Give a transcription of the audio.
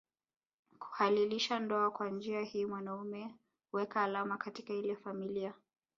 Kuhalalisha ndoa Kwa njia hii mwanaume huweka alama katika ile familia